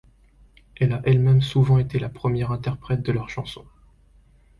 Elle a même souvent été la première interprète de leurs chansons.